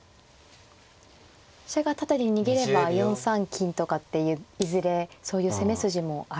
飛車が縦に逃げれば４三金とかっていういずれそういう攻め筋もあると。